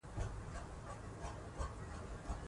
زه غواړم د رواني فشار کمولو لپاره مناسب فعالیت پیدا کړم.